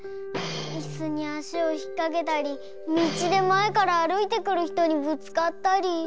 いすにあしをひっかけたりみちでまえからあるいてくるひとにぶつかったり。